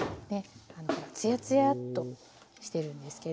つやつやとしてるんですけど。